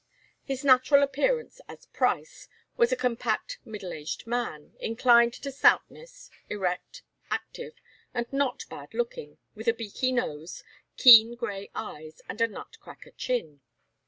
His natural appearance as Price was a compact middle aged man, inclined to stoutness, erect, active, and not bad looking, with a beaky nose, keen grey eyes, and a nutcracker chin.